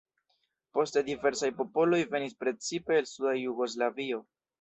Poste diversaj popoloj venis precipe el suda Jugoslavio.